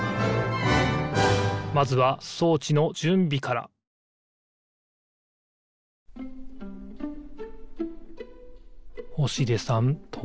まずは装置のじゅんびから星出さんとうじょうです。